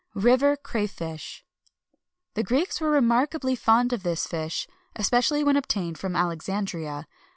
[XXI 264] RIVER CRAYFISH. The Greeks were remarkably fond of this fish,[XXI 265] especially when obtained from Alexandria.